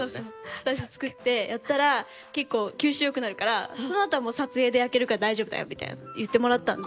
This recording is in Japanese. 下地つくってやったら結構吸収よくなるからその後は撮影で焼けるから大丈夫だよみたいなの言ってもらったんで。